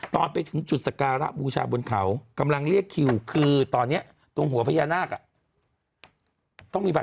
ตอนไปถึงจุดสการะบูชาบนเขากำลังเรียกคิวคือตอนเนี้ยตรงหัวพระยานาคอ่ะ